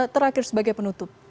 terakhir sebagai penutup